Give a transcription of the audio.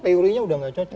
teorinya sudah tidak cocok